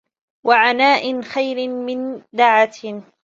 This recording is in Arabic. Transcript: وَعَنَاءٍ خَيْرٍ مِنْ دَعَةٍ